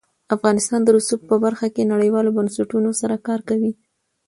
افغانستان د رسوب په برخه کې نړیوالو بنسټونو سره کار کوي.